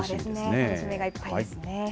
楽しみがいっぱいですね。